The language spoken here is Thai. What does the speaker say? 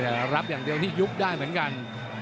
แต่รับอย่างเดียวนี่ยุบได้เหมือนกัน